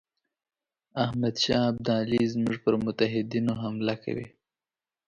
احمدشاه ابدالي زموږ پر متحدینو حمله کوي.